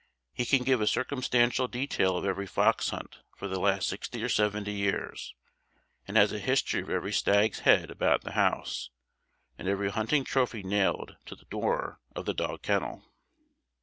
He can give a circumstantial detail of every fox hunt for the last sixty or seventy years, and has a history of every stag's head about the house, and every hunting trophy nailed to the door of the dog kennel.